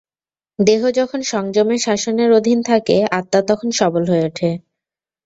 দেহ যখন সংযমের শাসনের অধীন থাকে, আত্মা তখন সবল হয়ে ওঠে।